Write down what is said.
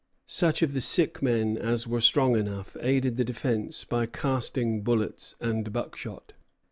Such of the sick men as were strong enough aided the defence by casting bullets and buckshot.